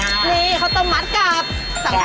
นี่ข้าวต้มมัดกับสัมภัยะไหม